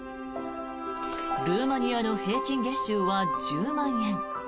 ルーマニアの平均月収は１０万円。